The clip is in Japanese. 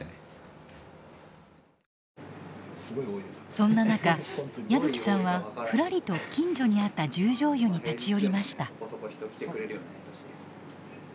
そんな中矢吹さんはふらりと近所にあった十條湯に立ち寄りました。